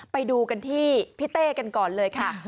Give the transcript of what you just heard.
ไปดูกันที่พี่เต้กันก่อนเลยค่ะ